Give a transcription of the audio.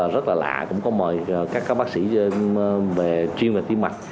rất là lạ cũng có mời các bác sĩ chuyên về tim mạc